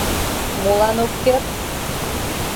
— Молан ок керт?